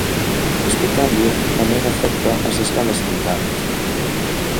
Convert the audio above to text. Este cambio tamén afecta as escalas sanitarias.